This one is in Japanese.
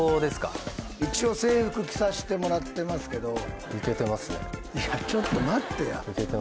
一応、制服着させてもらってますけどいや、ちょっと待ってや！